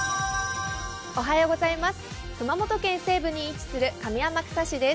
熊本県西部に位置する上天草市です。